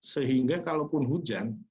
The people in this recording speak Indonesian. sehingga kalaupun hujan